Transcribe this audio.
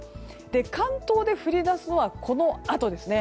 関東で降り出すのはこのあとですね。